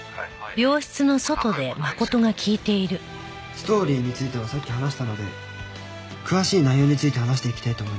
ストーリーについてはさっき話したので詳しい内容について話していきたいと思います。